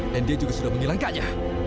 dan dia juga sudah menghilangkannya